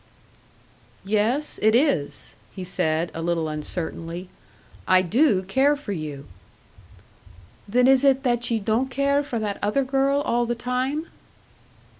"Yes, it is," he said, a little uncertainly. "I do care for you." "Then is it that ye don't care for that other girl all the time?"